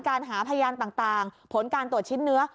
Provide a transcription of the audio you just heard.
หาพยานต่างผลการตรวจชิ้นเนื้อ